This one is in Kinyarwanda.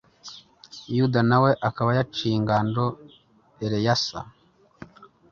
yuda na we akaba yaciye ingando eleyasa